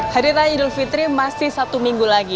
hadirah idul fitri masih satu minggu lagi